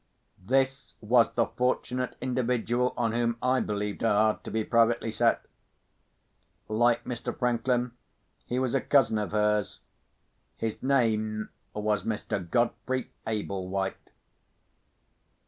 This was the fortunate individual on whom I believed her heart to be privately set! Like Mr. Franklin, he was a cousin of hers. His name was Mr. Godfrey Ablewhite.